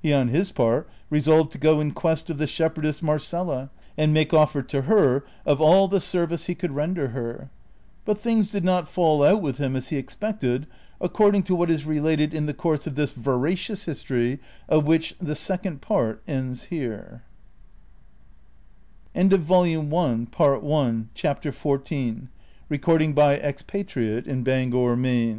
He, on his part, resolved to go in quest of the shepherdess Marcela, and make offer to her of all the service he could render her ; but things did not fall out with him as he expected, according to what is related in the course of this veracious history, of which the Second Part ends here. CHAPTER XV. TN WHICH